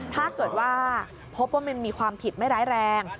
ถ้าเกิดว่าพบว่ามันมีความผิดไม่ร้ายแรง